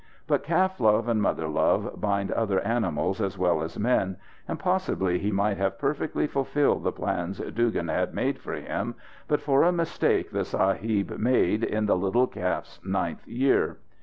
But calf love and mother love bind other animals as well as men, and possibly he might have perfectly fulfilled the plans Dugan had made for him but for a mistake the sahib made in the little calf's ninth year.